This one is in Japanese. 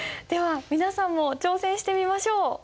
では皆さんも挑戦してみましょう。